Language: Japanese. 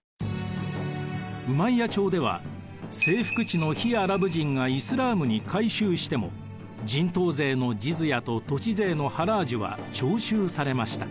ウマイヤ朝では征服地の非アラブ人がイスラームに改宗しても人頭税のジズヤと土地税のハラージュは徴収されました。